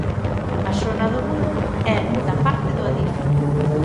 A zona do muro é da parte do Adif.